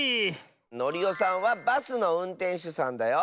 ノリオさんはバスのうんてんしゅさんだよ。